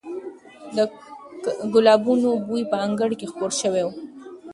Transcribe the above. د ګلانو بوی په انګړ کې خپور شوی و.